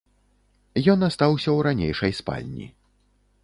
Ён астаўся ў ранейшай спальні.